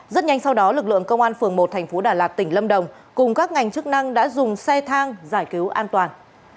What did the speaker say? rất nhanh sau đó lực lượng công an phường một thành phố đà lạt tỉnh lâm đồng cùng các ngành chức năng đã dùng xe thang giải cứu an toàn